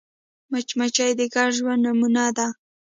مچمچۍ د ګډ ژوند نمونه ده